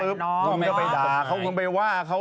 แล้วต้องไปดาเขา